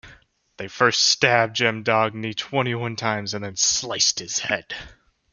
They first stabbed Jamdagni twenty-one times and then sliced his head.